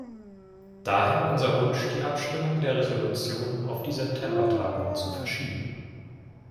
Daher unser Wunsch die Abstimmung der Resolution auf die September-Tagung zu verschieben.